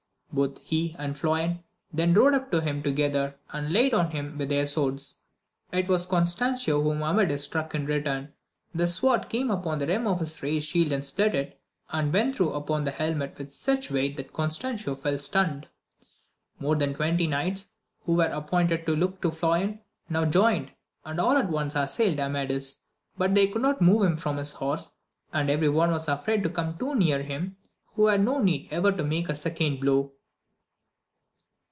Both he and Floyan then rode up to him together, and laid on him with their swords. It was Constancio whom Ama dis struck in return ; the sword came upon the rim of his raised shield and split it, and went through upon the helmet with such weight that Constancio fell stunned. More than twenty knights, who were appointed to look to Floyan, now joined, and all at once assailed Amadis, but they could not move him from his horse, and every one was afraid to come too near him, who had no need ever to make a second blow.